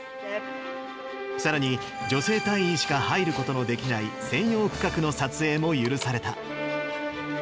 さらに、女性隊員しか入ることのできない専用区画の撮影も許された。